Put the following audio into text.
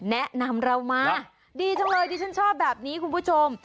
แนะนำเรามาดีจังเลยดิฉันชอบแบบนี้คุณผู้ชม